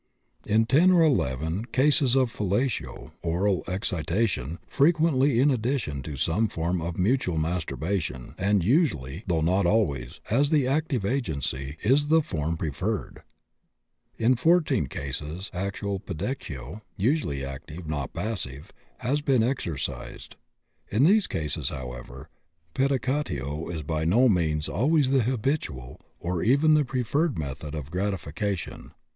In 10 or 11 cases fellatio (oral excitation) frequently in addition to some form of mutual masturbation, and usually, though not always, as the active agency is the form preferred. In 14 cases, actual pedicatio usually active, not passive has been exercised. In these cases, however, pedicatio is by no means always the habitual or even the preferred method of gratification.